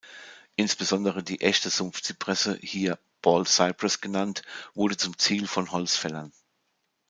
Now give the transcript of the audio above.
Insbesondere die Echte Sumpfzypresse, hier "Bald Cypress" genannt, wurde zum Ziel von Holzfällern.